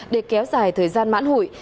để kéo dài thời gian mãn hội